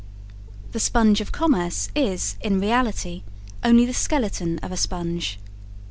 The sponge of commerce is, in reality, only the skeleton of a sponge.